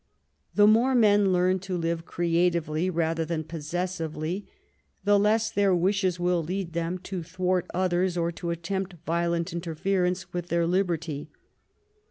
The more men learn to live creatively rather than possessively, the less their wishes will lead them to thwart others or to attempt violent interference with their liberty.